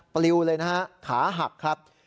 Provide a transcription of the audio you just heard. ปลิวเลยนะฮะขาหักครับ